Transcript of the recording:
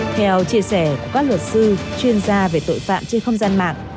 theo chia sẻ của các luật sư chuyên gia về tội phạm trên không gian mạng